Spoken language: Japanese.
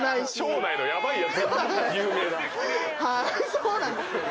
そうなんですよ。